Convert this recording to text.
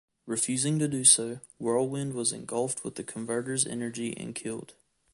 Refusing to do so, Whirlwind was engulfed with the converter's energy and killed.